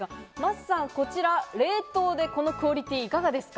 桝さん、冷凍でこのクオリティーいかがですか？